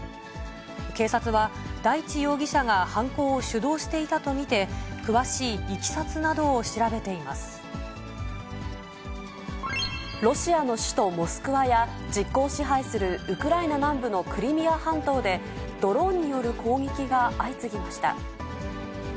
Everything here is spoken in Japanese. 警察は、大地容疑者が犯行を主導していたと見て、詳しいいきさつなどを調ロシアの首都モスクワや、実効支配するウクライナ南部のクリミア半島で、ドローンによる攻撃が相次ぎました。